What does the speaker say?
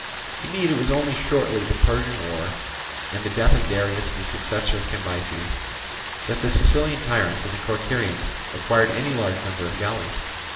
Indeed it was only shortly the Persian war, and the death of Darius the successor of Cambyses, that the Sicilian tyrants and the Corcyraeans acquired any large number of galleys.